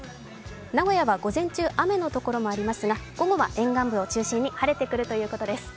名古屋は午前中雨のところもありますが、午後は沿岸部を中心に晴れてくるということです。